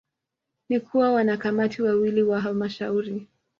ni kuwa Wanakamati wawili wa Halmashauri